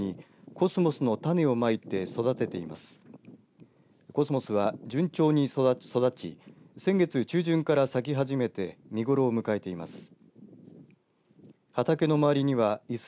コスモスは、順調に育ち先月中旬から咲き始めて見頃を迎えています。